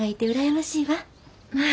まあ。